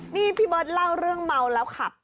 นี่พี่เบิร์ตเล่าเรื่องเมาแล้วขับ